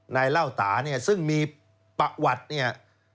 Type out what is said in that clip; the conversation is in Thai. เล่าตาเนี่ยซึ่งมีประวัติเนี่ย